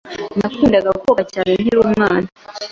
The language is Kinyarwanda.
Nakundaga koga cyane nkiri umwana.